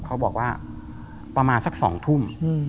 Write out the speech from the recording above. เขาบอกว่าประมาณสัก๒ทุ่ม